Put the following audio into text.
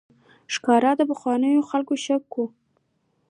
ښکار د پخوانیو خلکو شوق و.